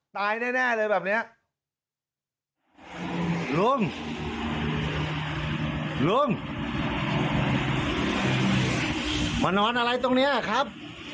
ตายแน่แน่เลยแบบเนี้ยลุงลุงมานอนอะไรตรงเนี้ยครับ